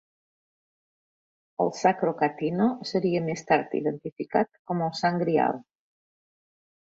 El "Sacro Catino" seria més tard identificat com el Sant Greal.